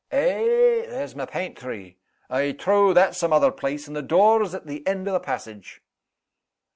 "Eh! there's my paintry! I trow that's some other place; and the door's at the end o' the passage."